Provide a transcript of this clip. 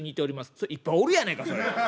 「それいっぱいおるやないかそれ。